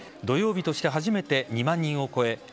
土曜日として初めて２万人を超え